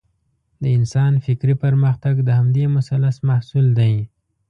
د انسان فکري پرمختګ د همدې مثلث محصول دی.